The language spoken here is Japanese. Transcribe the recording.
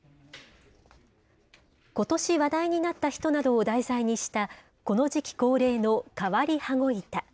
ことし話題になった人などを題材にした、この時期恒例の変わり羽子板。